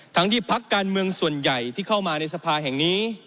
ทั้งที่พักการเมืองส่วนใหญ่ที่เข้ามาในสภาแห่งนี้